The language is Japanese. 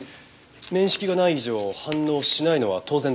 面識がない以上反応しないのは当然では？